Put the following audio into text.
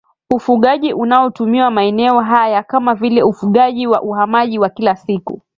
ufugaji unaotumiwa maeneo haya kama vile ufugaji wa uhamaji wa kila msimu